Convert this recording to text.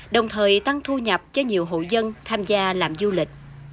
đồng thời tăng thu nhập cho nhiều hộ dân tham gia làm du lịch